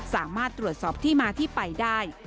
สามารถตรวจสอบที่มาที่ไปได้